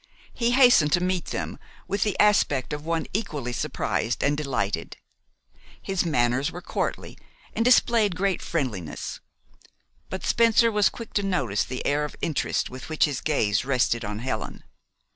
He hastened to meet them, with the aspect of one equally surprised and delighted. His manners were courtly, and displayed great friendliness; but Spencer was quick to notice the air of interest with which his gaze rested on Helen.